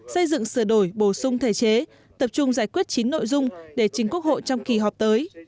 xây dựng sửa đổi bổ sung thể chế tập trung giải quyết chín nội dung để chính quốc hội trong kỳ họp tới